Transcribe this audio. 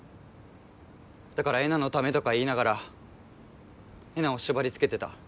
だからえなのためとか言いながらえなを縛り付けてた。